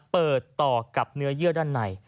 เปิดต่อกับเนื้อเยื่อด้านใน